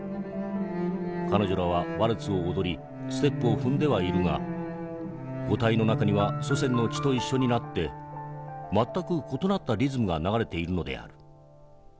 彼女らはワルツを踊りステップを踏んではいるが五体の中には祖先の血と一緒になって全く異なったリズムが流れているのである。